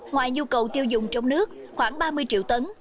ngoài nhu cầu tiêu dùng trong nước khoảng ba mươi triệu tấn